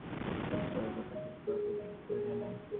যাদের অবহেলায় একজন মায়ের চোখ গেল, তাদের প্রতি বারবার ধিক্কার জানায়।